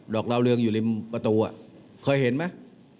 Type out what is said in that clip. อกดาวเรืองอยู่ริมประตูเคยเห็นไหม